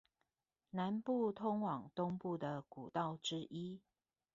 南部通往東部的古道之一